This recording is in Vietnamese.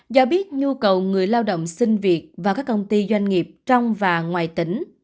do biết nhu cầu người lao động xin việc và các công ty doanh nghiệp trong và ngoài tỉnh